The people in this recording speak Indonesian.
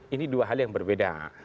ini dua hal yang berbeda